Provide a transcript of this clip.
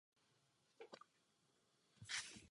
Od centra města je vzdáleno přibližně deset kilometrů severně.